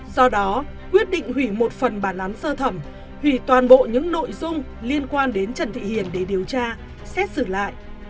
do đó quyết định hủy một phần bản án sơ thẩm hủy toàn bộ những nội dung liên quan đến trần thị hiền để điều tra xét xử lại